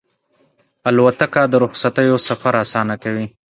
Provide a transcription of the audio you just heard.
الوتکه د رخصتیو سفر اسانه کوي.